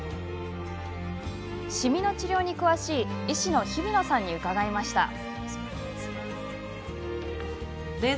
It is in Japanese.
シミの治療に詳しい、医師の日比野さんに聞いてみました。